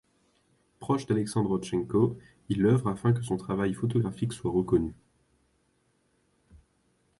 Proche d'Alexandre Rodtchenko, il œuvre afin que son travail photographique soit reconnu.